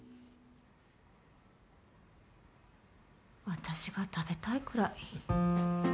私が食べたいくらい。